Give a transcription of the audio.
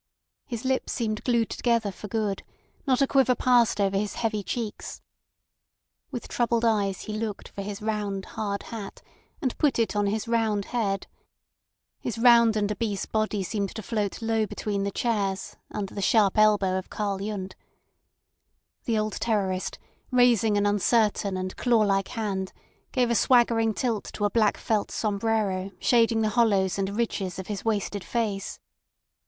His lips seemed glued together for good; not a quiver passed over his heavy cheeks. With troubled eyes he looked for his round, hard hat, and put it on his round head. His round and obese body seemed to float low between the chairs under the sharp elbow of Karl Yundt. The old terrorist, raising an uncertain and clawlike hand, gave a swaggering tilt to a black felt sombrero shading the hollows and ridges of his wasted face.